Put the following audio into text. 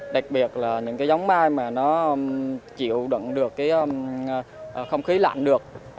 đặc biệt là những cái giống mai mà nó chịu đựng được cái không khí lạnh được